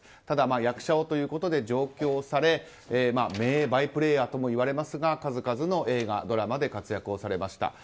ただ、役者をということで上京され名バイプレーヤーともいわれますが数々の映画、ドラマで活躍されました。